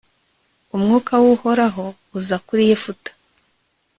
umwuka w'uhoraho uza kuri yefute